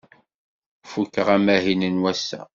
Fukeɣ amahil n wass-a.